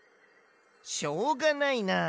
しょうがないな。